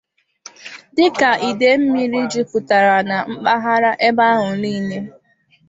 dịka ide mmiri jupụtara na mpaghara ebe ahụ niile